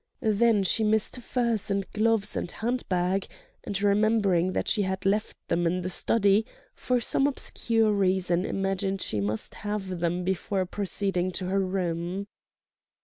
Then she missed furs and gloves and handbag and, remembering that she had left them in the study, for some obscure reason imagined she must have them before proceeding to her room.